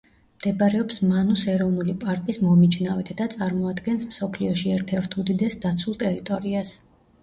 მდებარეობს მანუს ეროვნული პარკის მომიჯნავედ და წარმოადგენს მსოფლიოში ერთ-ერთ უდიდეს დაცულ ტერიტორიას.